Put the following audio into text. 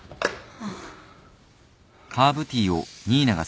ああ。